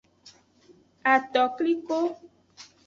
Atokliko.